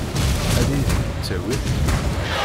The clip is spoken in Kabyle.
Ad iyi-ten-id-tawimt?